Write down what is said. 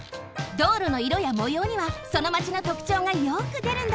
どうろのいろやもようにはそのマチのとくちょうがよくでるんだって！